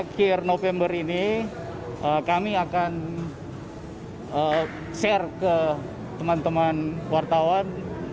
akhir november ini kami akan share ke teman teman wartawan